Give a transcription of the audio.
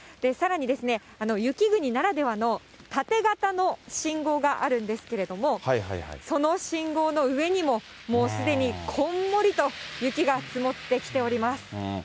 さらに、雪国ならではの縦型の信号があるんですけれども、その信号の上にも、もうすでにこんもりと雪が積もってきております。